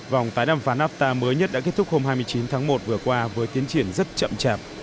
vòng tái đàm phán nafta mới nhất đã kết thúc hôm hai mươi chín tháng một vừa qua với tiến triển rất chậm chạp